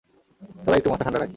সবাই একটু মাথা ঠান্ডা রাখি।